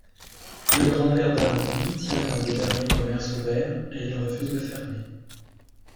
Le grand-père d'Arumi tient l'un des derniers commerces ouverts, et il refuse de fermer.